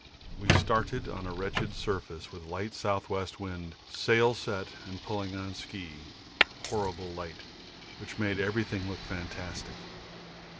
We started on a wretched surface with light S.W. wind, sail set, and pulling on ski horrible light, which made everything look fantastic.